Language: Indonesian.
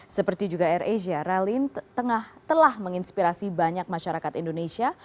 seperti juga air asia ralin telah menginspirasi banyak masyarakat indonesia